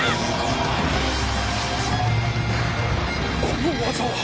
この技は。